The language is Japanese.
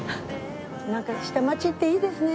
なんか下町っていいですね。